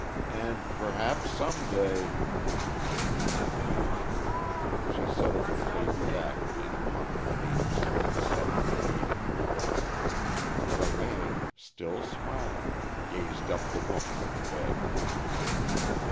"And perhaps, some day " She did not finish. She settled the baby back again upon her knees and sat, waiting. The man, still smiling, gazed up the woman on the bed.